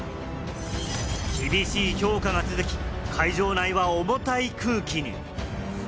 厳しい評価が続き、会場内は重たい空気に。